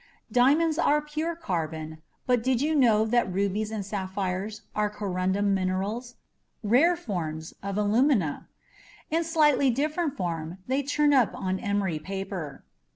Diamonds are pure carbon, but did you know that rubies and sapphires are corundum minerals rare forms of alumina. In slightly different form, they'd turn up on emery paper.